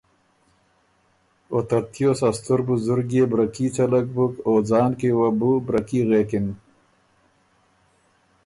او ترتیوس ا ستُر بزرګ يې بره کي څلک بُک او ځان کی وه بو بره کي غوېکِن۔